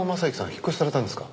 引っ越しされたんですか？